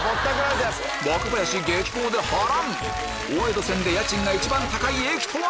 若林激高で波乱大江戸線で家賃が一番高い駅とは⁉